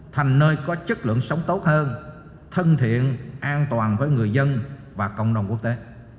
thành nơi có chất lượng sống tốt hơn thân thiện an toàn với người dân và cộng đồng quốc tế